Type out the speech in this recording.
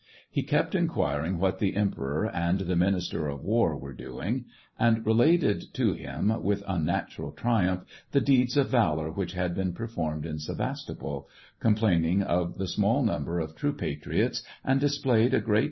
He kept inquiring what the Emperor and the minister of war were doing, and related to him, with unnat ural triumph, the deeds of valor which had been performed in Sevastopol, complained of the small number of true patriots, and displayed a great SEVASTOPOL IN AUGUST.